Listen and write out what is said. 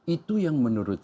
itu yang menurut